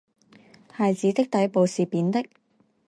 鞋子的底部是扁的